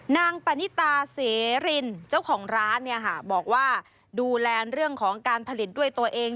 นางปานิตาเสรินเจ้าของร้านบอกว่าดูแลเรื่องของการผลิตด้วยตัวเอง